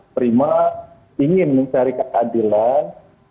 prima ingin mencari keadilan